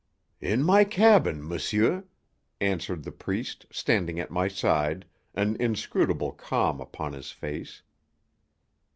"In my cabin, monsieur," answered the priest, standing at my side, an inscrutable calm upon his face.